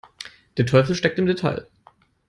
Der Teufel steckt im Detail.